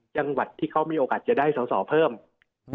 จังหวัดที่เขามีโอกาสจะได้สอสอเพิ่ม